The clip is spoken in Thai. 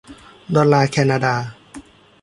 ดอลลาร์แคนาดา